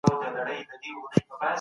خپل حد وپېژنئ.